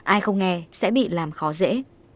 ai không nghe sẽ bị làm khó dễ